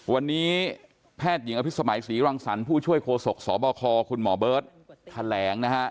วันนี้แพทย์หญิงอภิษมัยศรีรังสรรค์ผู้ช่วยโคศกสบคคุณหมอเบิร์ตแถลงนะฮะ